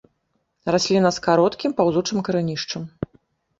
Расліна з кароткім, паўзучым карэнішчам.